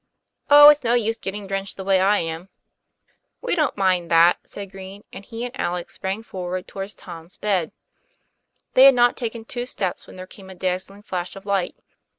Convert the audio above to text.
"Oh, it's no use getting drenched the way I am. 1 "We don't mind that," said Green, and he and Alec sprang forward towards Tom's bed. They had not taken two steps, when there came a dazzling flash of light.